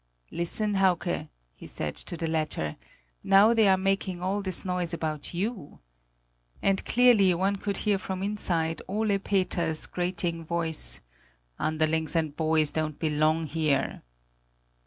"Listen, Hauke," he said to the latter; "now they are making all this noise about you." And clearly one could hear from inside Ole Peters's grating voice: "Underlings and boys don't belong here!"